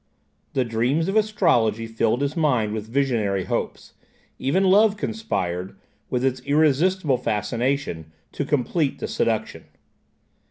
The dreams of astrology filled his mind with visionary hopes; even love conspired, with its irresistible fascination, to complete the seduction.